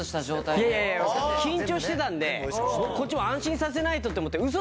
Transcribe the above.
緊張してたんでこっちも安心させないとって思って。